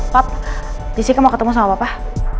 pak jessica mau ketemu sama bapak